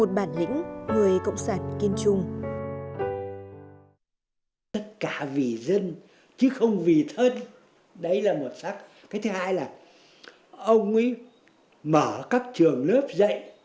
một bản lĩnh người cộng sản kiên trung